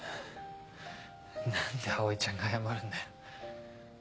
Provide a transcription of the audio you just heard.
何で葵ちゃんが謝るんだよ？